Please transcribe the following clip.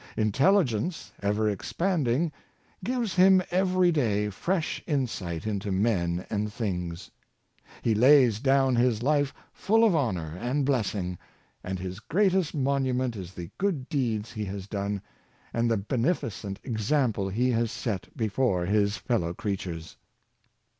Intelligence, ever expanding, gives him every day fresh insight into men and things. He lays down his life full of honor and blessing, and his greatest monu ment is the good deeds he has done, and the beneficent example he has set before his fellow creatures.